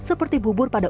seperti bubur pada uang